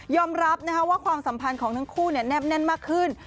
ยอมรับว่าความสัมพันธ์ของทั้งคู่แน่นมากขึ้น